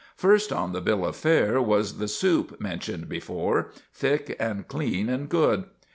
First on the bill of fare was the soup mentioned before thick and clean and good.